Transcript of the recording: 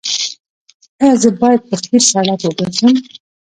ایا زه باید په قیر سړک وګرځم؟